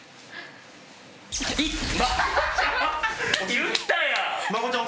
言ったやん！